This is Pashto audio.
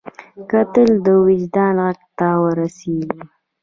کتل د وجدان غږ ته ور رسېږي